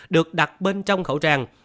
được đặt bên trong khẩu trang